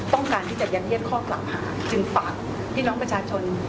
ต้องการที่จะยัดเยียดข้อกล่าวหาจึงฝากพี่น้องประชาชน